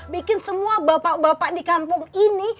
bikin semua bapak bapak di kampung ini